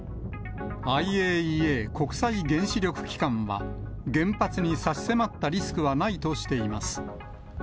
ＩＡＥＡ・国際原子力機関は、原発に差し迫ったリスクはないとしています。